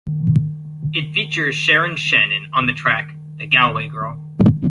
It features Sharon Shannon on the track "The Galway Girl".